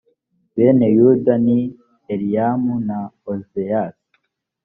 bene yuda ni eriamu na ozeyasi